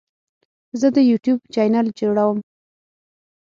زه د یوټیوب چینل جوړوم.